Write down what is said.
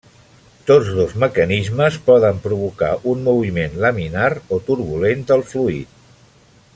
Tots dos mecanismes poden provocar un moviment laminar o turbulent del fluid.